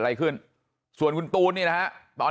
นี่คุณตูนอายุ๓๗ปีนะครับ